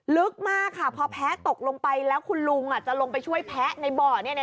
ลึกมากค่ะพอแพ้ตกลงไปแล้วคุณลุงจะลงไปช่วยแพ้ในบ่อ